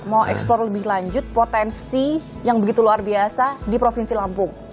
mau eksplor lebih lanjut potensi yang begitu luar biasa di provinsi lampung